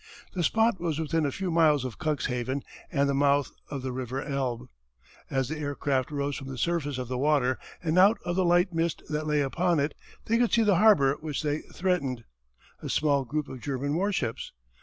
The spot was within a few miles of Cuxhaven and the mouth of the River Elbe. As the aircraft rose from the surface of the water and out of the light mist that lay upon it, they could see in the harbour which they threatened, a small group of German warships.